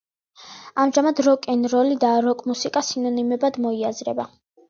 ამჟამად როკ-ენ-როლი და როკ-მუსიკა სინონიმებად მოიაზრება.